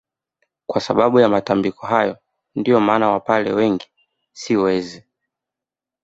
Kwa sababu ya matambiko hayo ndio maana wapare wengi si wezi